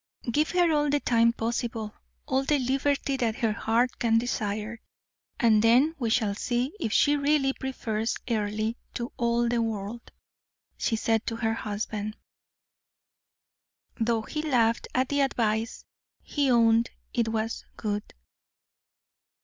"Give her all the time possible, all the liberty that her heart can desire, and then we shall see if she really prefers Earle to all the world," she said to her husband. Though he laughed at the advice, he owned it was good.